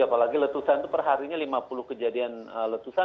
apalagi letusan itu perharinya lima puluh kejadian jadi setiap tahun